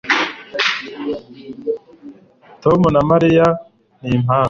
tom na mariya ni impanga